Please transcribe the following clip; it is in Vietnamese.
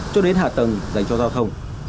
cho đến hạ tầng dành cho giao thông